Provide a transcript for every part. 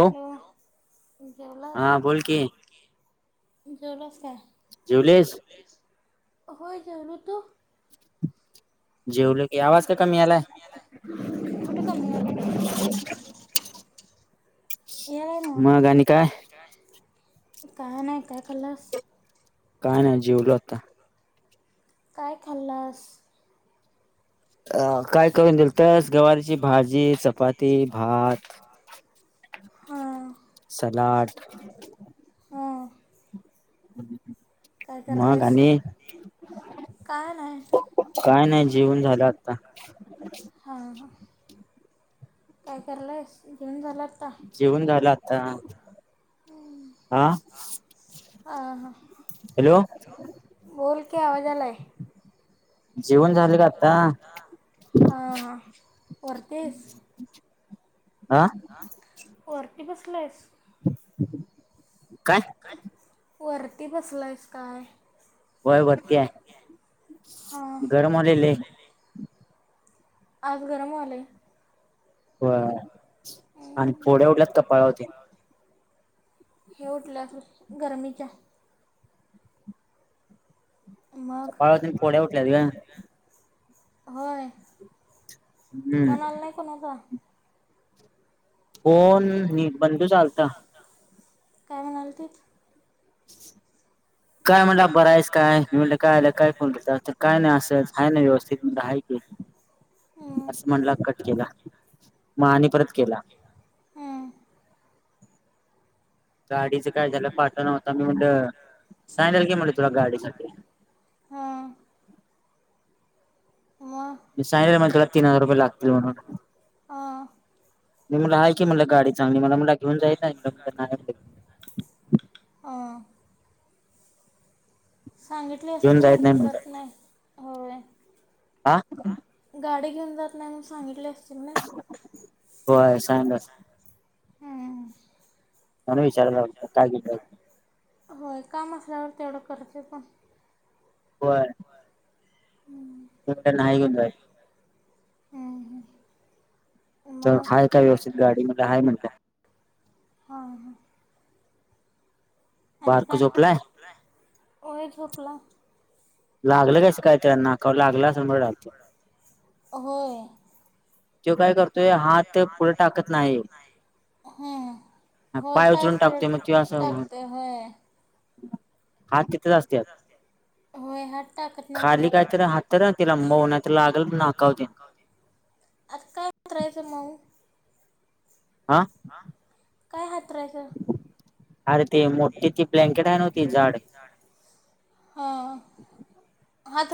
हो हॅलो जेवलास हा बोल कि. जेवलास काय. जेवलीस होय जेवलो तू. [unintelligible] जेवलो की आवाज का कमी यायलाय? कुठे कमी यायलाय? मग आणि काय? काय नाही, काय खालास? काय नाही? जेवलो आत्ता. काय खाल्लास? आ काय करून दिलतस? गवारीची भाजी, चपाती, भात हां सलाड. हां हम् काय हम्. मग करलायस आणि? काय नाही काय नाही जेवन झालं आता. हां हां काय करलाईस? जेऊन झाल्यात जेवन झाल आता. हा हां हां हॅलो. बोल की आवाज यायलाय. जेवण झालं का आता हा वरती हाईस? हा वर ती बसलेस काय? वरती बसलायस काय? व्हय वरती आहे, हां गरम व्हायलय लई आज गरम व्हायलय होय. आणि फोड्या उठल्यात कपाळावरती. हे ऊठल्या गरर्मीच्या मग कपाळातील फोड्या उठल्यात गं. होय. हम्म फोन आला नाही कुणाचा? फोन नि बंडू चा आलता. काय म्हणालतीत? [unintelligible] काय म्हटला‌ बर आहेस काय?, मी म्हटल काय झालं काय फोन केलतास? काय नाही असच काय नाही आहे ना व्यवस्थित? की हं, असं म्हटलं कट केला मग आणि परत केला हं, गाडीचं काय झालं? पाटा नव्हता, मी म्हणल सांगेल की म्हलट तुला गाडीसाठी हं. मग मी सांगितलं म्हटलं तुला तीन हजार रुपये लागतील म्हणून हं, मी म्हटलं आहे की म्हटल गाडी चांगली म्हणून घेऊन जाईना एकदम त्यांना नाही माहित हं. सांगितले असतील ना घेऊन जात नाही. होय. आ गाडी घेऊन जाऊन नाही म्हणून सांगितले असे होय सांगितले असेल हम्म मले विचारायला आलता काही बी कर होय काम असल्यावर तेवढं करते पण होय. हम्म तर ते नाही घेऊन जायचं हं, हं. तर मग हाय काय व्यवस्थित गाडी म्हटलं आहे म्हटलं हा ह आणि काय बारक झोपलाय होय झोपलाय लागलं कस काय तेना नाकावर लागलं असंत होय तेव काय करतो तो हात पुढे टाकत नाही हं. होय पाय उचलून टाकतोय मग ति पडत अस टाकते होय हात तिथेच असत होय हात टाकत नाही पुढ तिला मऊ नाही तर लागल नाकाव तेन आता कायहायचं मऊ आा काय हातरायचं ते मोठी ती ब्लँकेट आहे नव्ह ती जाड ह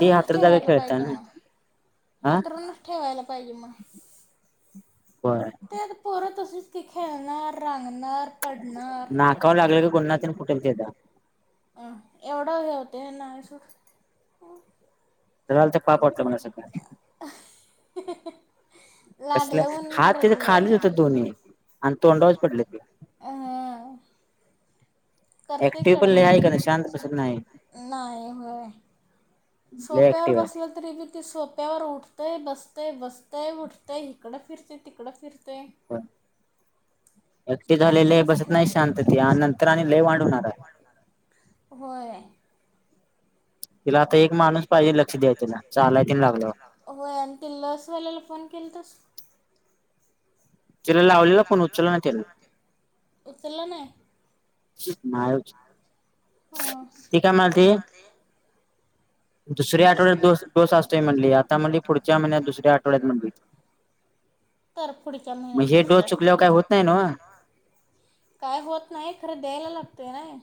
ती च हातरा जागा ठेवाय खेळता पाहिजे ना हा हथरून च ठेवाय पाहिजे मग होय ते पोर तसच कि खेळणार रा नाकावर लागलं की गोन्ना फुठेल तेचा अं एवढा हे होतय होय ना जरा तर पाप वाटलं मला सकाळी कसलं लागलं हात त्याचे होनलं खालीच होतं दोन्ही आणि तोंडावाच पडले ते करतेय ऍक्टिव्ह कड पण लय मड आहे का नाही शांत बसत नाही नाही होय लय सोप्यावर ऍक्टिव्ह बसले तरी ती सोप्यावर उठतय बसतय बसतंय उठतय इकडं फिरते तिकडं फिरते ते आहे ऍक्टिव्ह शांत झालेलं बसत नाही शांत ते नाही आणि नंतर आणि लय शां वांड होणार होय तिला आता एक माणूस पाहिजे लक्ष द्याय तिला चालाय तेन लागल्यावर होय आणि ते लस वाल्याला फोन केलतास तेला लावलेला फोन त्यान उचलला नाही उचलला नाही ह् [unintelligible] नाय ऊचला हं. ती काय म्हनालती म्हणली आता म्हणली पुढच्या महिन्यात दुसऱ्या आठवड्यात म्हणली तर पुढच्या मग हे महिन्यात डोस चुकल्यावर काय होत नाही नव्ह काय होत नाही खरं द्यायला लागतोय नाय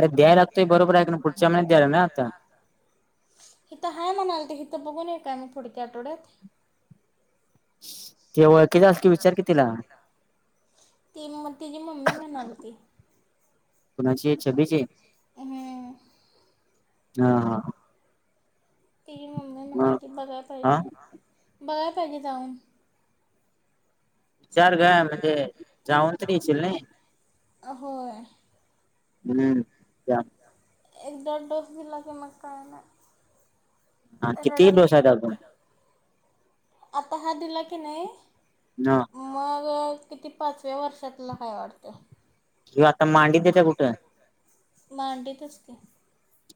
अरे द्यायला लागतोय बरोबर आहे पुढचा महिन्यात गेल ना आता हिथं हाय म्हणालय ते हिथं बघून येऊ काय मी पूढल्या आठवड्यात ते ओळखीच असल असल की विचार की तिला ती म तिची मम्मी म्हणालती कुणाची छबीची ह [unintelligible] हा हा ति ममी मग म्हणालती बघाय पाहिजे हा बगाय पाहिजे जाऊन विचार ग म्हणजे जाऊन त नाही चिलणे आ हम्म त्या एक दड दस गलाचे मक्का आहेना हा किती बवसून आता हात दिला की नाही ह मग किती पाचव्या वर्षातला काय वाटत ह्यो आता मांडीत देत्या कुठं मांडीतच का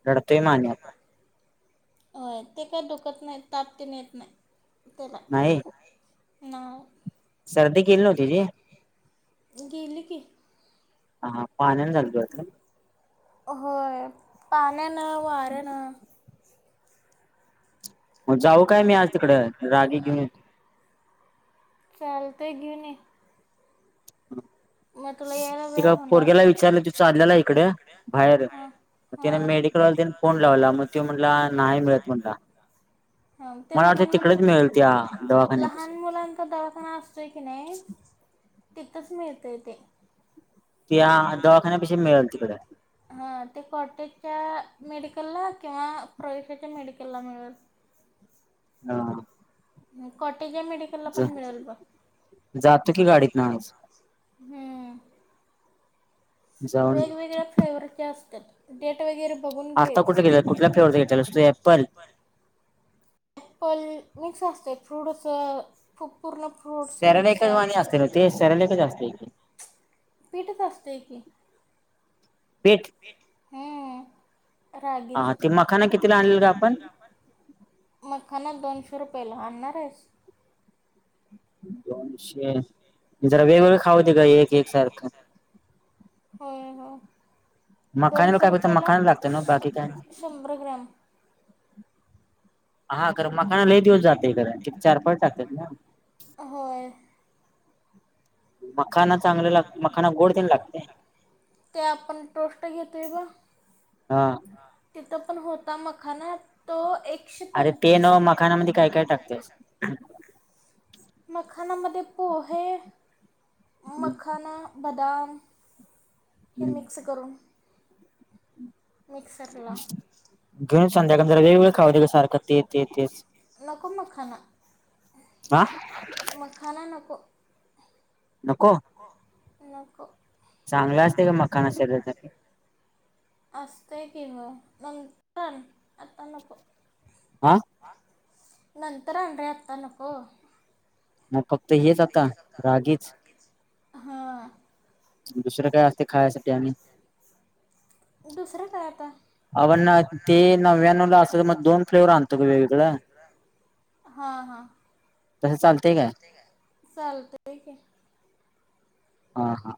लढत ह मान्यता होय ते काय दुखत नाही तापतीन येत नाही नाही ना सर्दी केली नव्ह तिची गेली की हा हा पाण्यान चालत आता होय पाणी अ ना वारण मग जाऊ काय मी आज तिकडे रागी घेऊन य चालत घेऊन ह मग तुला यायला वेळ होणार विचारलं तो विचार चाललेला त इकडं इकडे बाहेर मग त्याने मेडिकलला त्याने फोन लावला मग मडला तो म्हटला नाही मिळत म्हटला. मला वाटतं लहान तिकडेच मु मिळेल त्या दवाखान्यापाशी लहान मुलांचा दवाखाना असतोय की नाही तिथंच मिळ ते ते त्या दवाखान्यापाशी मिळेल तिकडे हा ते च्या मेडिकलला किंवा प्रवेशाच्या मेडिकलला मिळेल हा कट मेडिकलला पण मिळेल ब जातो की गाडीत ना आज हम्म जाऊन वेगवेगळ्या फ्लेवरच्या असतात डेटा वगैर बघून घे आता कुठे गेले कुठला फ्लेवरचा घेतलेलास तू ऍपल ॲप्पल मिक्स असते फ्रूट असं खूप पूर्ण फ्रूट सॅरेलेकच मिक्सर वाणी असते ना ते सॅरेलेकच असते की पीठत असते की तेच हम, हम रागीचं, ते हा ती मखाना आणलेल ग कितीला आपण आणलेलं गं आपण मखाना दोनशे रुपयाला आणणार हायस दोनशे जरा वेगळं वेगळं खाऊ दे का एक एक सारखं. होय होय मखाण्याला दोनशे काय फक्त रुपयेला मखाना लागतं ना बाकी काय [inaudible] शंभर ग्रॅम हा खरं मखाना लय दिवस जातंय खरं चार-पाच टाकतेत ना. होय मखाना चांगलं लाग मखाना गोड पण लागतं. ते आपण टोस्ट घेतोय हा तो पण होता मखाना तो एक अरे ते नव्हं मखानामध्ये काय काय टाकतेत? मखानामध्ये पोहे मखाना बदाम हे मिक्सं करून. मिक्सरला घेऊन [inaudible] संध्याकाळ जरा वेगवेगळं खाऊ दे ग ते सारखं ते तेच तेच तेच, नको मखाना हा आ मखाना नको. नको? नको. चांगलं असते ग मखाना शरीरासाठी. असते की व नंतर आता नको. [inaudible] नंतर आन रे आत्ता नको. म कप ते हेच आता रागीच. हा. [inaudible] दुसरं काय असते खायसाठी आणि खायासाठी आणि? दुसरं काय आता? [inaudible] ते नव्व्यानवला असेल मग दोन फ्लेवर आणतो की वेगवेगळं. तसं चालतंय काय? चालतंय की. हा हा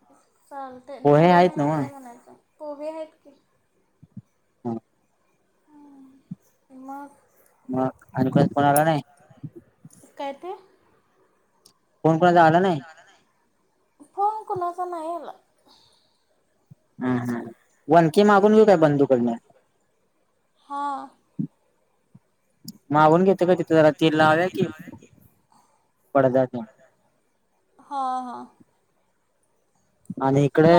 चालतंय पोहे दहाव्या आहेत महिन्याचं नव्ह आहे म्हणायचं. कोबी आहेत की. हम ह मग. मग आणि कुणाचा आला नाही? काय ते. फोन कोणाचा आला नाही. फोन कोणाचा नाही आला. हम्म, हम्म. वनखी मागून घेऊ काय बंधू कडून, हा. [inaudible] घेते का तिथं जरा तेल लावूया की पडदाच हा हा. आणि इकडे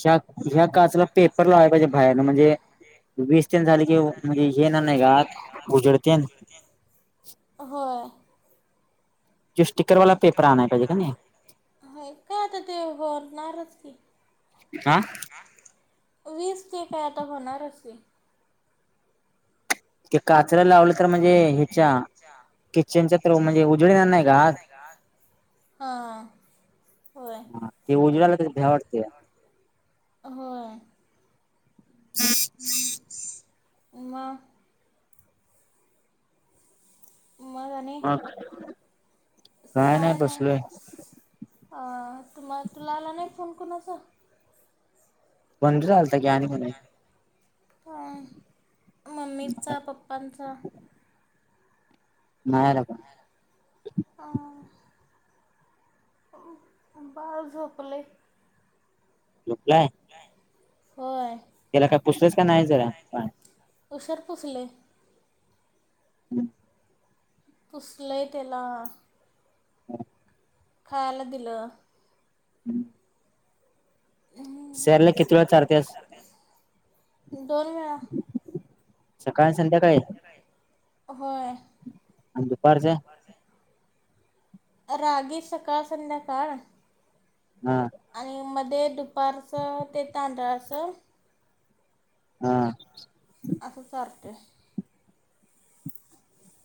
ह ह्या काचेला पेपर लावायला पाहिजे बाहेरून म्हणजे वीजतेन झाले कि म्हणजे येणार नाही की उजेडतेन. ते स्टिकरवाला आणाय पाहिजे पेपर का आणायला नाही पाहिजे की नाही. होय काय आता ते [unintelligible] की. आं. वीज ते काय आता होणारच की. ते काचेला लावलं तर म्हणजे ह्याच्या किचनच्या तर म्हणजे उजेड येनारं नाही का आत हां होय ते उजेड आलं तर भिती वाटते. होय [unintelligible] मग. मग आणि मग काय नाही बसलोय. [unintelligible] तुम्हाला तुला आला नाही फोन कोणाचा. [unintelligible] ह. आहे? मम्मीचा पप्पांचा. नाही आला पण. अं, बाळ झोपलाय. झोपलाय. होय. त्याला काय पुसलंस का नाही जरा पण. उशीर पुसले. हम्म. पुसलं त्याला. खायला दिल. हम्म. शेळ्यांना किती वेळा चारतेस. दोन वेळा. सकाळ संध्याकाळी होय आणि दुपारचं रागी सकाळ संध्याकाळ. हम आणि मध्ये दुपारचं ते तांदळचं हा असल सारते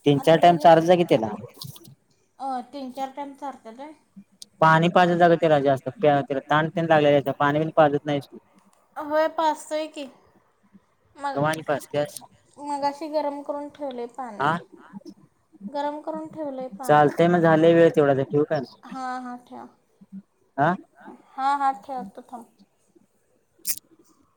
तीन चार टाइम चार्ज की त्याला अ तीन चार टाम सरतले पाणी पाजत जा ग त्याला जास्त त्याला ताण तेन लागलेला असतोय पाणी बिन पाजत नाहीस तू होय पाचतोय की म कवा आणि पाजत्यास मग अशी गरम करून ठेले पाणी हा गरम करून ठेवलंय पाणी चालतय मग झालंय वेळ तेवढा आता ठेवू काय मग? हा हा ठेव हा हा हा ठेव तथम [inaudible]